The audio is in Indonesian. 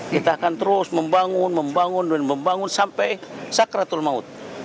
kita akan terus membangun membangun dan membangun sampai sakratul maut